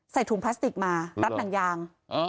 ถุงพลาสติกมารัดหนังยาง